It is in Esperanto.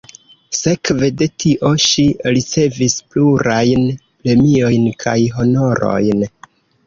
Sekve de tio ŝi ricevis plurajn premiojn kaj honorojn.